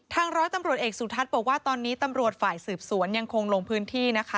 ร้อยตำรวจเอกสุทัศน์บอกว่าตอนนี้ตำรวจฝ่ายสืบสวนยังคงลงพื้นที่นะคะ